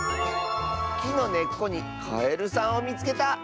「きのねっこにカエルさんをみつけた！」。